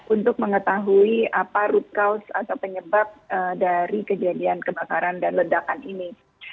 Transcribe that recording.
untuk mengetahui apa root cause atau penyebab dari kejadian kebakaran dan ledakan ini